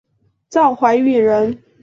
赵怀玉人。